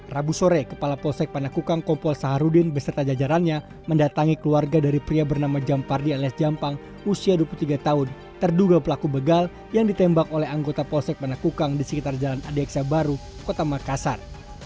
rabu sore kepala polsek panakukang kompol saharudin beserta jajarannya mendatangi keluarga dari pria bernama jampardi alias jampang usia dua puluh tiga tahun terduga pelaku begal yang ditembak oleh anggota polsek panakukang di sekitar jalan adieksa baru kota makassar